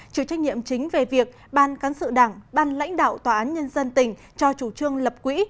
chịu trách nhiệm chính về việc ban cán sự đảng ban lãnh đạo tòa án nhân dân tỉnh cho chủ trương lập quỹ